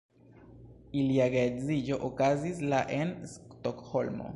Ilia geedziĝo okazis la en Stokholmo.